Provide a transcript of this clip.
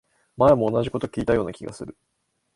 前も同じこと聞いたような気がする